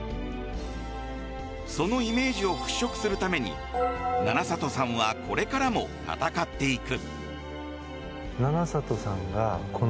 そのイメージを払拭するために七里さんはこれからも戦っていく。